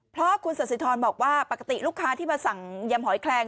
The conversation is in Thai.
เพราะคุณสัสสิทรบอกว่าปกติลูกค้าที่มาสั่งยำหอยแคลง